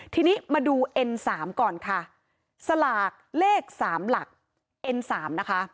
ทีนี้มาดูเอ็นสามก่อนค่ะสลากเลขสามหลักเอ็นสามนะคะ